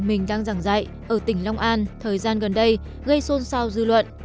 mình đang giảng dạy ở tỉnh long an thời gian gần đây gây xôn xao dư luận